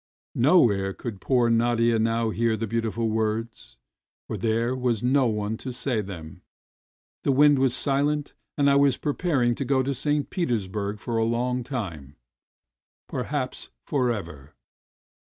Nowhere could poor Nadia now hear the beautiful words, for there was no one to say them; the wind was silent and I was preparing to go to St. Petersburg for a long time, perhaps for ever.